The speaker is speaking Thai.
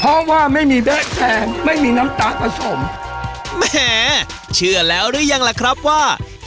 เพราะว่าไม่มีแบ๊ะแพงไม่มีน้ำตาลผสมแหเชื่อแล้วหรือยังล่ะครับว่า